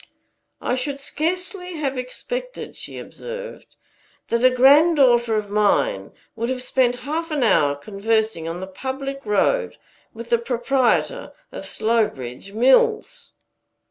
"I should scarcely have expected," she observed, "that a granddaughter of mine would have spent half an hour conversing on the public road with the proprietor of Slowbridge Mills."